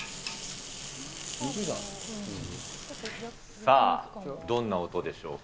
さあ、どんな音でしょうか。